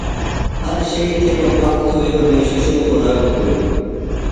ہر شئیۡ تھےۡ بہ پاک تھوئیۡ۔ ہمیش شوۡ خوراک کھوئیۡ